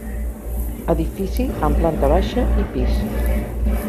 Edifici amb planta baixa i pis.